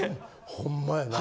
ホンマやな。